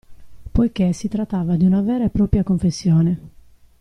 Poichè si trattava di una vera e propria confessione.